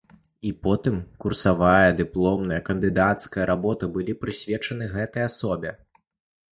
І потым курсавая, дыпломная, кандыдацкая работы былі прысвечаны гэтай асобе.